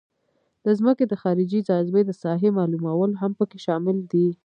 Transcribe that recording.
د ځمکې د خارجي جاذبې د ساحې معلومول هم پکې شامل دي